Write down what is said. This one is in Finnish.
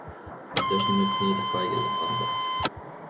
Jos ne nyt niitä kaikille antavat.